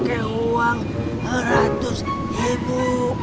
kayaknya pake uang ratus ribu